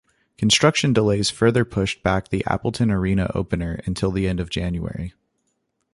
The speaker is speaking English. Construction delays further pushed back the Appleton Arena opener until the end of January.